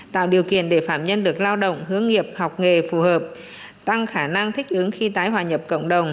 tạo điều kiện để phạm nhân được lao động hướng nghiệp học nghề phù hợp tăng khả năng thích ứng khi tái hòa nhập cộng đồng